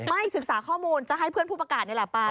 ไม่ศึกษาข้อมูลจะให้เพื่อนผู้ประกาศนี่แหละไป